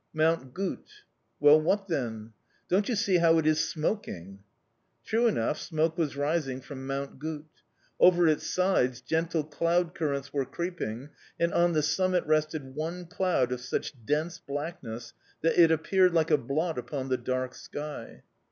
"Mount Gut." "Well, what then?" "Don't you see how it is smoking?" True enough, smoke was rising from Mount Gut. Over its sides gentle cloud currents were creeping, and on the summit rested one cloud of such dense blackness that it appeared like a blot upon the dark sky.